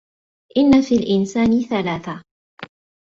إنَّ فِي الْإِنْسَانِ ثَلَاثَةً